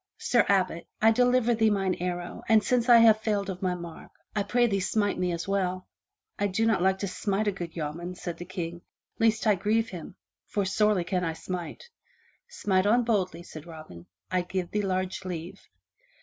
Sir Abbot, I deliver thee mine 72 FROM THE TOWER WINDOW arrow and since I have failed of my mark, I pray thee smite me well." "I like not to smite a good yeoman,'* said the King, "lest I grieve him, for sorely can I smite." "Smite on boldly," said Robin, "I give thee large leave!"